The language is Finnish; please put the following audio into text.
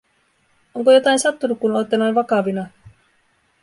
“Onko jotain sattunu, kun ootte noin vakavina?”